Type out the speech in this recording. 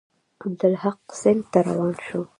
عبدالحق سند ته روان شو.